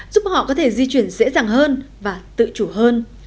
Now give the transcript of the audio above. giúp họ có thể di chuyển dễ dàng hơn và tự chủ hơn